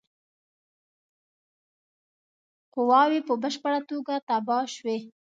قواوي په بشپړه توګه تباه شوې.